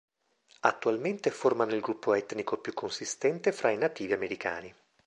Attualmente formano il gruppo etnico più consistente fra i nativi americani.